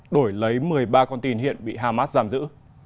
đổi lấy một mươi ba con tin hiện bị hamas giam giữ